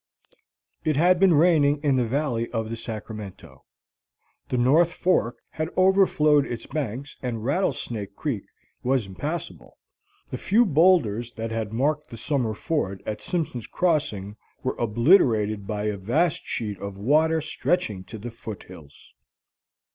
It had been raining in the valley of the Sacramento. The North Fork had overflowed its banks and Rattlesnake Creek was impassable. The few boulders that had marked the summer ford at Simpson's Crossing were obliterated by a vast sheet of water stretching to the foothills.